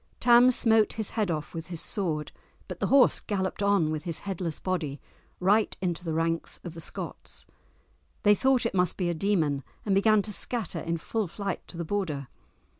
Tam smote his head off with his sword, but the horse galloped on with his headless body right into the ranks of the Scots. They thought it must be a demon and began to scatter in full flight to the Border.